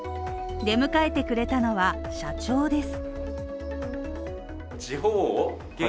出迎えてくれたのは、社長です。